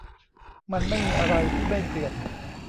มันไม่มีอะไรที่ไม่เปลี่ยน